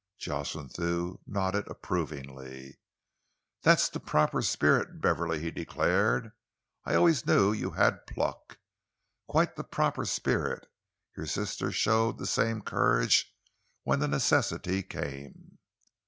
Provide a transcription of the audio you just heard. Jocelyn Thew nodded approvingly. "That's the proper spirit, Beverley," he declared. "I always knew you had pluck. Quite the proper spirit! Your sister showed the same courage when the necessity came."